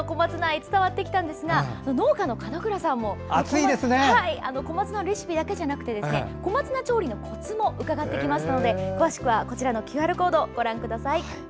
伝わってきたんですが農家の門倉さんも小松菜のレシピだけじゃなくて小松菜調理のコツも伺ってきましたので詳しくはこちらのＱＲコードをご覧ください。